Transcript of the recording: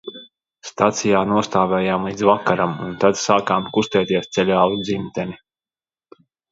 Stacijā nostāvējām līdz vakaram un tad sākām kustēties ceļā uz dzimteni.